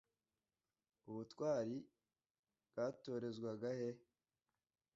ubutwari bwatorezwaga he